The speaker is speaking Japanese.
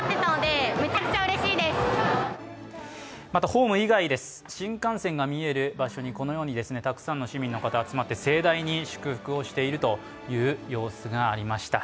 ホーム以外です、新幹線が見える場所にこのようにたくさんの市民の方、集まって盛大に祝福をしているという様子がありました。